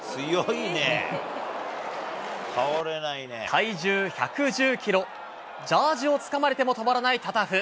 体重１１９ｋｇ、ジャージーを掴まれても止まらないタタフ。